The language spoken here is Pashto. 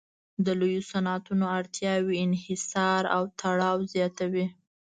د لویو صنعتونو اړتیاوې انحصار او تړاو زیاتوي